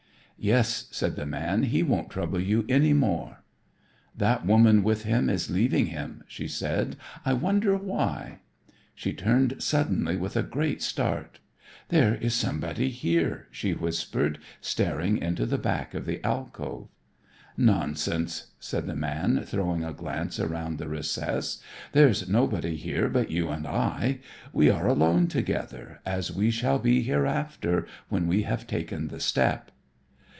"Yes," said the man, "he won't trouble you any more." "That woman with him is leaving him," she said. "I wonder why." She turned suddenly with a great start. "There is somebody here," she whispered, staring into the back of the alcove. "Nonsense," said the man, throwing a glance around the recess. "There's nobody here but you and I. We are alone together, as we shall be hereafter, when we have taken the step."